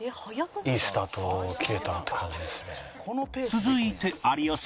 いいスタートを切れたって感じですね。